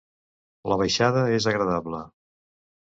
La baixada és agradable.